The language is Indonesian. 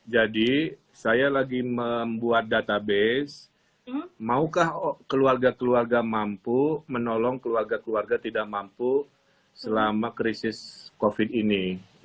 jadi saya lagi membuat database maukah keluarga keluarga mampu menolong keluarga keluarga tidak mampu selama krisis covid ini